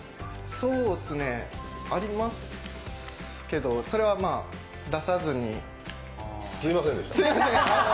そうっすね、ありますけど、それはまあ出さずにすいませんでした。